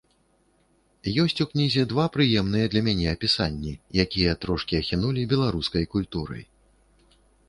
Ёсць у кнізе два прыемныя для мяне апісанні, якія трошкі ахінулі беларускай культурай.